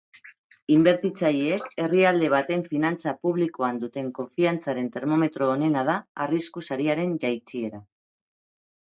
Inbertitzaileek herrialde baten finantza publikoan duten konfiantzaren termometro onena da arrisku sariaren jaitsiera.